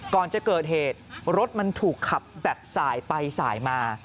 ก่อนจะเกิดเหตุรถมันถูกขับแบบสายไปสายมา